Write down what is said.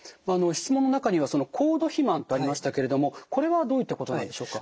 質問の中には高度肥満とありましたけれどもこれはどういったことなんでしょうか？